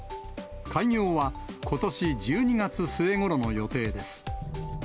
開業はことし１２月末ごろの予定です。